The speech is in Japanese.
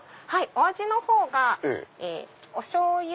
お味の方がおしょうゆ